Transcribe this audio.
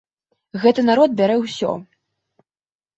Гэты народ бярэ ўсё.